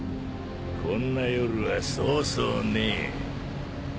こんな夜はそうそうねえ。